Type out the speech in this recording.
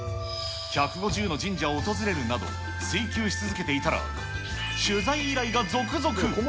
１５０の神社を訪れるなど、追求し続けていたら、取材依頼が続々。